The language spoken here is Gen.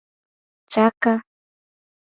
Caka.